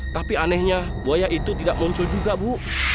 tapi anehnya buaya itu tidak muncul juga bu